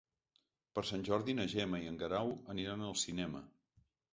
Per Sant Jordi na Gemma i en Guerau aniran al cinema.